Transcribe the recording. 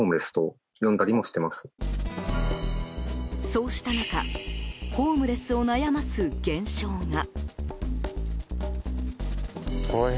そうした中ホームレスを悩ます現象が。